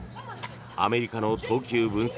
アメリカの投球分析